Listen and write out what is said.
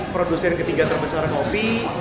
producer yang ketiga terbesar kopi